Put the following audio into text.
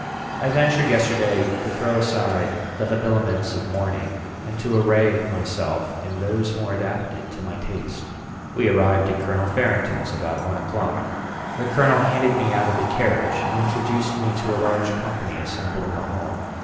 I ventured, yesterday, to throw aside the habiliments of mourning, and to array myself in those more adapted to my taste. We arrived at Colonel Farington's about one o'clock. The colonel handed me out of the carriage, and introduced me to a large company assembled in the hall.